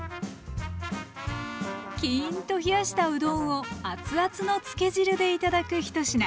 キーンと冷やしたうどんを熱々のつけ汁で頂く１品。